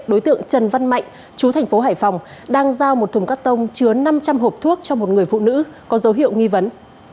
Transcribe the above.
đối tượng trần văn mạnh chú thành phố hải phòng đang giao một thùng cắt tông chứa năm trăm linh hộp thuốc cho một người phụ nữ có dấu hiệu nghi vấn